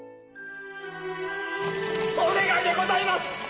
お願いでございます！